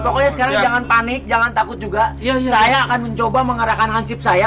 pokoknya sekarang jangan panik jangan takut juga saya akan mencoba mengarahkan nasib saya